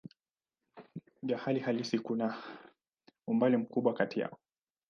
Hali halisi kuna umbali mkubwa kati yao.